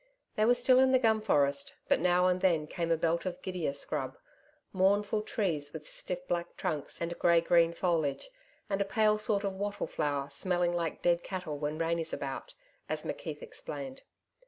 They were still in the gum forest, but now and then came a belt of gidia scrub mournful trees with stiff black trunks and grey green foliage and a pale sort of wattle flower smelling like dead cattle when rain is about, as McKeith explained.